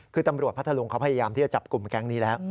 คือตำรวจพัทธรุงเขาพยายามที่จะจับกลุ่มแก๊งนี้แล้ว